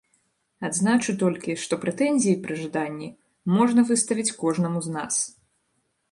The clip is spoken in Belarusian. Адзначу толькі, што прэтэнзіі пры жаданні можна выставіць кожнаму з нас.